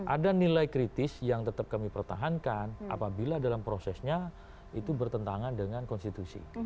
ada nilai kritis yang tetap kami pertahankan apabila dalam prosesnya itu bertentangan dengan konstitusi